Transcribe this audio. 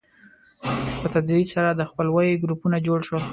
په تدریج سره د خپلوۍ ګروپونه جوړ شول.